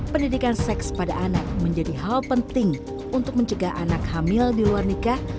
pendidikan seks pada anak menjadi hal penting untuk mencegah anak hamil di luar nikah